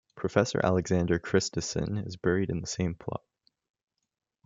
Professor Alexander Christison is buried in the same plot.